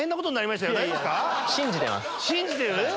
信じてる？